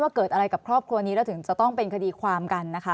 เกิดอะไรกับครอบครัวนี้แล้วถึงจะต้องเป็นคดีความกันนะคะ